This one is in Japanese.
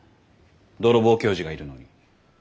泥棒教授がいるのに。